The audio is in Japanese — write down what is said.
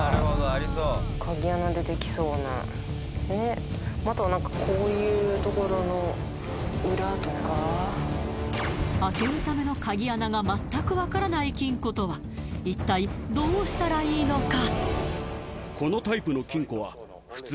あとはこういうところの裏とか開けるための鍵穴が全くわからない金庫とは一体どうしたらいいのか？